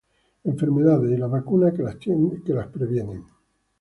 Enfermedades y las vacunas que las previenen